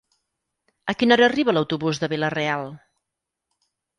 A quina hora arriba l'autobús de Vila-real?